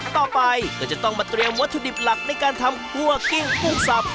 ต่อไปก็จะต้องมาเตรียมวัตถุดิบหลักในการทำคั่วกิ้งกุ้งสับ